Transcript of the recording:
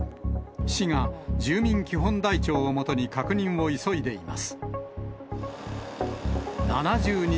市が住民基本台帳を基に確認を急いでいます。